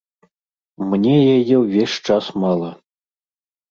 Мне яе ўвесь час мала.